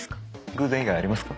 偶然以外ありますか？